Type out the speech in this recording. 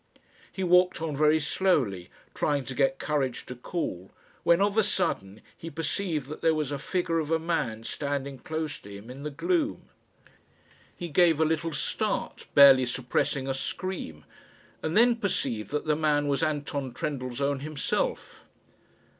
He walked on very slowly, trying to get courage to call, when, of a sudden, he perceived that there was a figure of a man standing close to him in the gloom. He gave a little start, barely suppressing a scream, and then perceived that the man was Anton Trendellsohn himself.